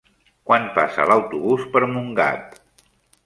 Quan passa l'autobús per Montgat?